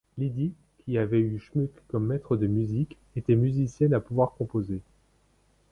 Lydie, qui avait eu Schmuke pour maître de musique, était musicienne à pouvoir composer.